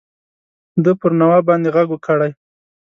ده پر نواب باندي ږغ کړی.